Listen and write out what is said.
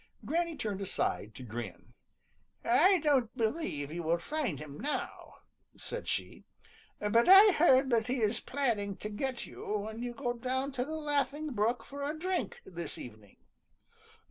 Granny turned aside to grin. "I don't believe you will find him now," said she, "but I heard that he is planning to get you when you go down to the Laughing Brook for a drink this evening."